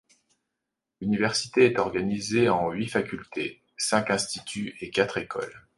L'université est organisée en huit facultés, cinq instituts et quatre écoles.